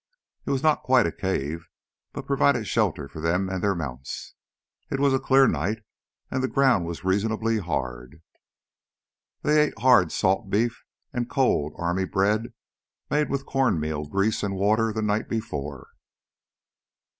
It was not quite a cave, but provided shelter for them and their mounts. It was a clear night, and the ground was reasonably hard. They ate hard salt beef and cold army bread made with corn meal, grease, and water the night before.